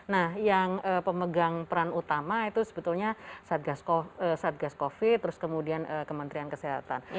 nah yang pemegang peran utama itu sebetulnya satgas covid terus kemudian kementerian kesehatan